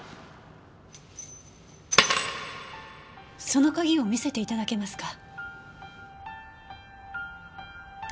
その鍵を見せていただけますか？